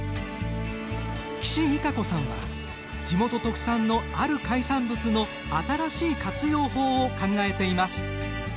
岸美加子さんは地元特産の、ある海産物の新しい活用法を考えています。